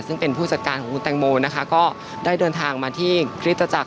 ซึ่งเป็นผู้จัดการของคุณแตงโมนะคะก็ได้เดินทางมาที่คริสตจักร